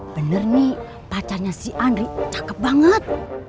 bener nih pacarnya si andri cakep banget